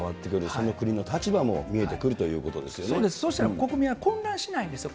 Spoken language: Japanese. その国の立場も見えてくるとそうです、そうしたら国民は混乱しないんですよ。